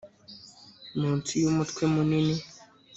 munsi yumutwe munini